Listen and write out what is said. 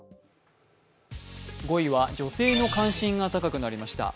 ５位は女性の関心が高くなりました。